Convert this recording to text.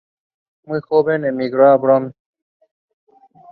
The jury requested that the Chairman of the Sessions investigate these claims.